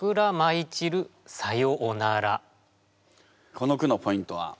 この句のポイントは？